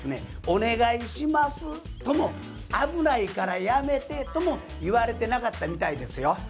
「お願いします」とも「危ないからやめて」とも言われてなかったみたいですよ。